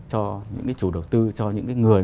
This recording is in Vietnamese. cho những cái chủ đầu tư cho những cái người